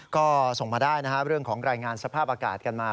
ก็ส่งมาได้นะครับเรื่องของรายงานสภาพอากาศกันมา